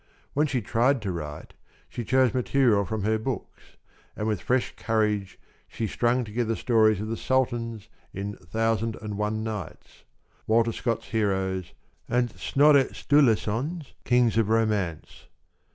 When she tried to write, she chose material from her books, and with fresh courage she strung together stories of the Sultans in "Thousand and One Nights," Walter Scott's heroes, and Snorre Sturleson's "Kings of Romance."